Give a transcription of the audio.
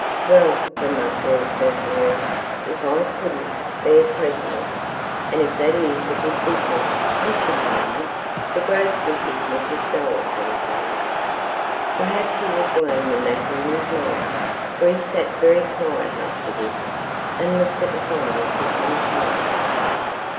"Well," remarked Lord Fauntleroy, "if I COULDN'T be a President, and if that is a good business, I shouldn't mind. The grocery business is dull sometimes." Perhaps he was weighing the matter in his mind, for he sat very quiet after this, and looked at the fire for some time.